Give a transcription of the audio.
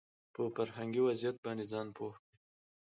په فرهنګي وضعيت باندې ځان پوه کړي